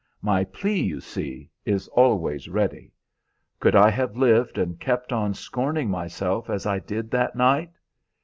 My plea, you see, is always ready. Could I have lived and kept on scorning myself as I did that night?